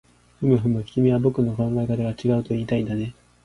ふむふむ、君は僕の考えが違うといいたいんだね